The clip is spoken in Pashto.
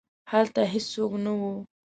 هلته هیڅوک نه وو.